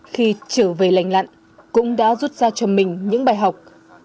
khi trở về lành lặn cũng đã rút ra cho mình những bài học